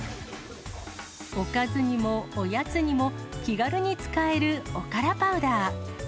おかずにもおやつにも気軽に使えるおからパウダー。